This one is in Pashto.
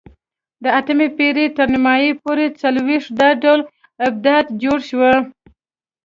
د اتمې پېړۍ تر نیمایي پورې څلوېښت دا ډول آبدات جوړ شوي